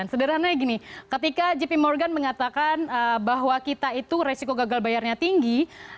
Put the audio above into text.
sederhananya gini ketika jp morgan mengatakan bahwa kita itu resiko gagal bayarnya tinggi